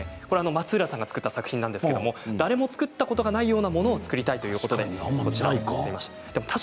松浦さんが作った作品なんですが誰も作ったことがないようなものを作りたいということでお茶わんです。